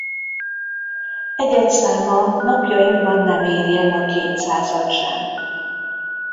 Egyedszáma napjainkban nem éri el a kétszázat sem.